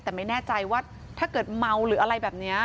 แต่ไม่แน่ใจว่าถ้าเกิดเมาหรืออะไรแบบนี้